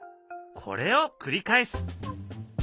これを繰り返す。